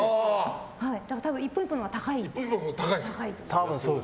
多分、１本１本のほうが高い。